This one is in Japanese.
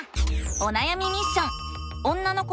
おなやみミッション！